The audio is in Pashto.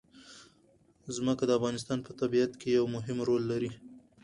ځمکه د افغانستان په طبیعت کې یو مهم رول لري.